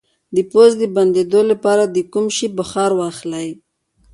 د پوزې د بندیدو لپاره د کوم شي بخار واخلئ؟